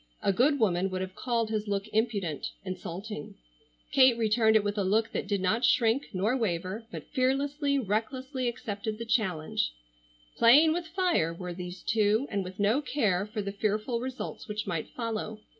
A good woman would have called his look impudent—insulting. Kate returned it with a look that did not shrink, nor waver, but fearlessly, recklessly accepted the challenge. Playing with fire, were these two, and with no care for the fearful results which might follow.